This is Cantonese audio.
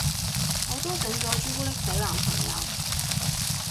我都整咗朱古力俾男朋友